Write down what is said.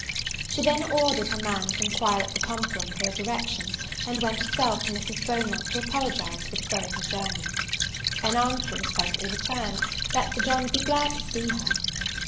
She then ordered her man to enquire at the pump room for a direction; and went herself to Mrs. Beaumont to apologize for deferring her journey. An answer was presently returned, that Sir John would be glad to see her.